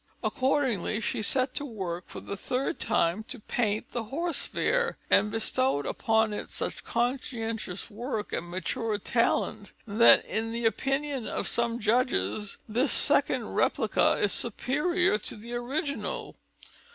Accordingly, she set to work for the third time to paint the Horse Fair, and bestowed upon it such conscientious work and mature talent that in the opinion of some judges this second replica is superior to the original.